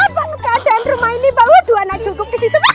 keadaan rumah ini baru dua anak cukup disitu mbak